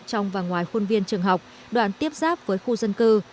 trong và ngoài khuôn viên trường học đoàn tiếp giáp với khu dân cư